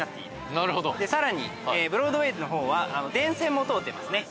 さらにブロードウェイの方は電線も通ってますね。